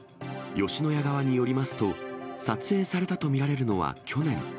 吉野家側によりますと、撮影されたと見られるのは去年。